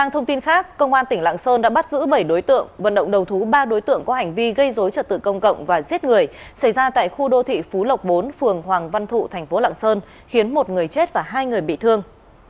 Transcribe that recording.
thông tin khác công an tỉnh lạng sơn đã bắt giữ bảy đối tượng vận động đầu thú ba đối tượng có hành vi gây dối trật tự công cộng và giết người xảy ra tại khu đô thị phú lộc bốn phường hoàng văn thụ thành phố lạng sơn khiến một người chết và hai người bị thương